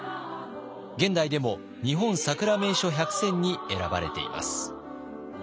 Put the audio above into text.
現代でも「日本さくら名所１００選」に選ばれています。